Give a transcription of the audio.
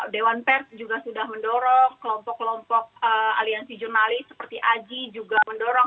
dewan pers juga sudah mendorong kelompok kelompok aliansi jurnalis seperti aji juga mendorong